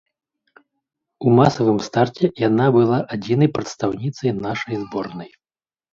У масавым старце яна была адзінай прадстаўніцай нашай зборнай.